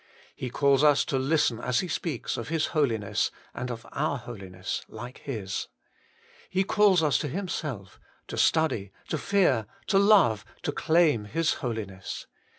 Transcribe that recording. He calls us to listen as He speaks of His Holiness, and of our holiness like His. He calls us to Himself, to study, to fear, to love, to claim His Holiness.